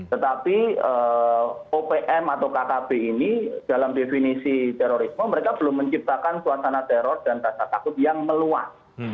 tetapi opm atau kkb ini dalam definisi terorisme mereka belum menciptakan suasana teror dan rasa takut yang meluas